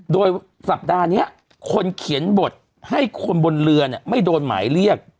โดยสัปดาห์นี้คนเขียนบทให้คนบนเรือไม่โดนหมายเรียก